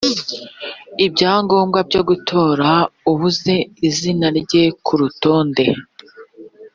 ibyangombwa byo gutora ubuze izina rye ku rutonde